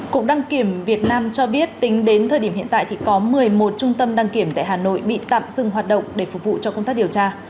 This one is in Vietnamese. cục đăng kiểm việt nam cho biết tính đến thời điểm hiện tại thì có một mươi một trung tâm đăng kiểm tại hà nội bị tạm dừng hoạt động để phục vụ cho công tác điều tra